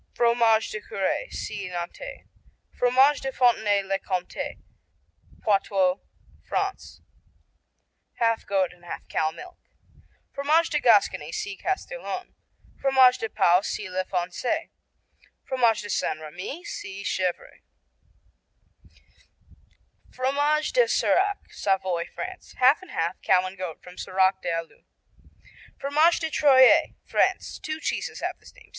Fromage de Curé see Nantais. Fromage de Fontenay le Comté Poitou, France Half goat and half cow milk. Fromage de Gascony see Castillon. Fromage de Pau see La Foncée. Fromage de St. Rémy see Chevrets. Fromage de Serac Savoy, France Half and half, cow and goat, from Serac des Allues. Fromage de Troyes France Two cheeses have this name.